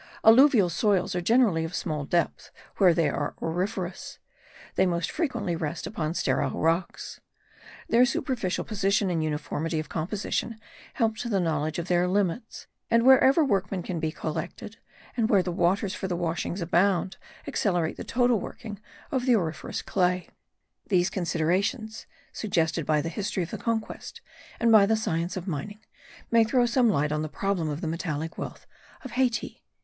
Alluvial soils are generally of small depth where they are auriferous; they most frequently rest upon sterile rocks. Their superficial position and uniformity of composition help to the knowledge of their limits, and wherever workmen can be collected, and where the waters for the washings abound, accelerate the total working of the auriferous clay. These considerations, suggested by the history of the Conquest, and by the science of mining, may throw some light on the problem of the metallic wealth of Hayti.